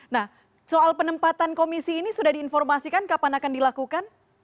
nah soal penempatan komisi ini sudah diinformasikan kapan akan dilakukan